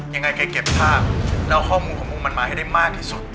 ยังไงแกเก็บภาพแล้วข้อมูลของมึงมันมาให้ได้มากที่สุด